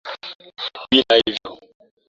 bila hivyo